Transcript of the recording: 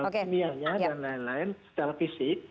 kimianya dan lain lain secara fisik